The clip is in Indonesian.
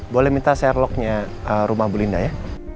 boleh minta share lock nya rumah bu linda ya